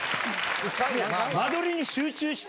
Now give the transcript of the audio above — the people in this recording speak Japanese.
間取りに集中して！